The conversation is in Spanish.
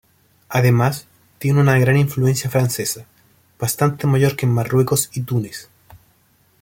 Además, tiene una gran influencia francesa, bastante mayor que en Marruecos y Túnez.